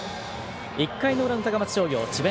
１回の裏、高松商業智弁